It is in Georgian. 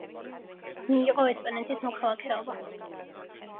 მიიღო ესპანეთის მოქალაქეობა.